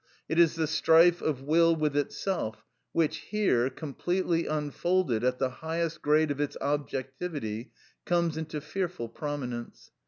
It is the strife of will with itself, which here, completely unfolded at the highest grade of its objectivity, comes into fearful prominence.